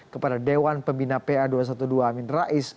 kepada dewan pembina pa dua ratus dua belas amin rais